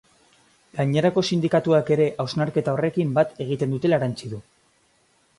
Gainerako sindikatuak ere hausnarketa horrekin bat egiten dutela erantsi du.